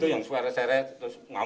yang suara seret